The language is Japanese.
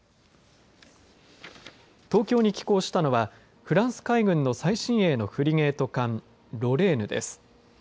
東京に寄港したのはフランス海軍の最新鋭のフリゲート艦ロレーヌです。